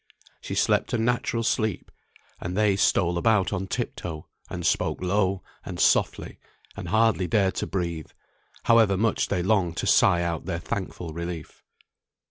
She slept a natural sleep; and they stole about on tip toe, and spoke low, and softly, and hardly dared to breathe, however much they longed to sigh out their thankful relief.